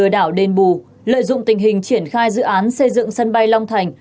và thiết kế sân bay long thành